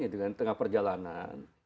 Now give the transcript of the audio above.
di tengah perjalanan